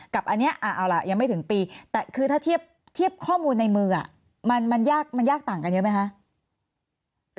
กับอันนี้ยังไม่ถึงปีคือถ้าเทียบข้อมูลในมือมันยากต่างกันเยอะไหมคะ